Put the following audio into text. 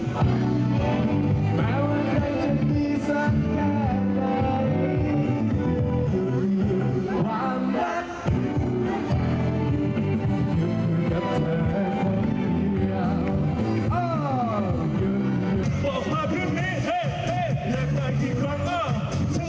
เฮ้อยากได้กี่ครั้งอ่ะฉันจะปลอบรักเธอ